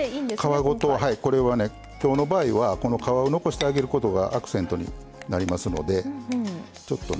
今日の場合はこの皮を残してあげることがアクセントになりますので。